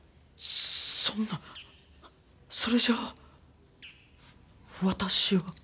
そんなそれじゃわたしは。